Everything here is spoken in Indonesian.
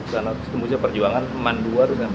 karena terus tembusnya perjuangan man dua terus sampai sebelas